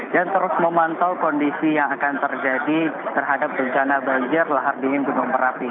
dan terus memantau kondisi yang akan terjadi terhadap bencana banjir lahar dingin gunung marapi